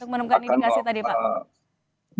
untuk menemukan indikasi tadi pak